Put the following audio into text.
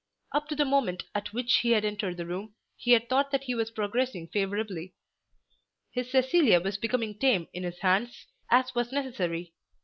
Up to the moment at which he had entered the room he had thought that he was progressing favourably. His Cecilia was becoming tame in his hands, as was necessary.